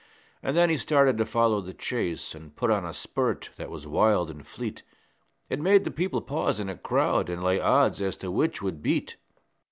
And then he started to follow the chase, And put on a spurt that was wild and fleet, It made the people pause in a crowd, And lay odds as to which would beat.